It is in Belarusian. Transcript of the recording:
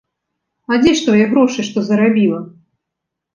А дзе ж твае грошы, што зарабіла?